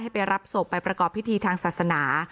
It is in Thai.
ไปรับศพไปประกอบพิธีทางศาสนา